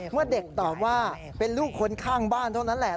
เมื่อเด็กตอบว่าเป็นลูกคนข้างบ้านเท่านั้นแหละ